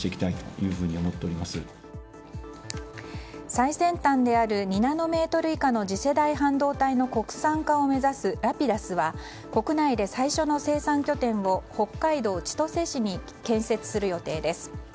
最先端である２ナノメートル以下の次世代半導体の国産化を目指すＲａｐｉｄｕｓは国内で最初の生産拠点を北海道千歳市に建設する予定です。